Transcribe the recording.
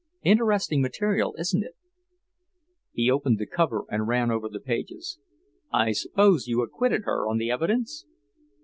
Interesting material, isn't it?" He opened the cover and ran over the pages. "I suppose you acquitted her on the evidence?"